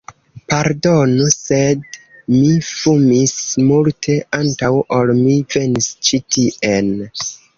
Pardonu, sed mi fumis multe antaŭ ol mi venis ĉi tien...